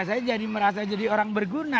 saya jadi merasa jadi orang berguna